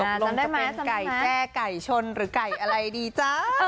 ลงจะเป็นไก่แจ้ไก่ชนหรือไก่อะไรดีจ๊ะ